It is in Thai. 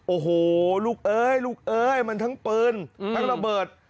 โอ้โหลูกเอ้ยลูกเอ้ยมันทั้งปืนทั้งระเบิด